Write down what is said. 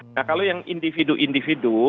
nah kalau yang individu individu